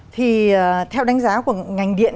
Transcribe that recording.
thì theo đánh giá của ngành điện